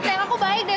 sayang aku baik deh